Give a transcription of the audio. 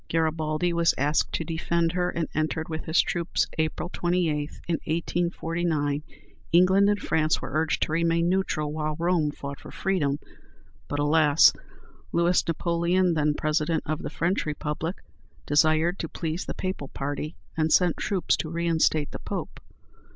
Garibaldi was asked to defend her, and entered with his troops, April 28, in 1849. England and France were urged to remain neutral, while Rome fought for freedom. But alas! Louis Napoleon, then President of the French Republic, desired to please the Papal party, and sent troops to reinstate the Pope!